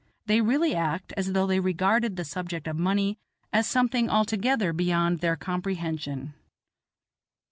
They really act as though they regarded the subject of money as something altogether beyond their comprehension.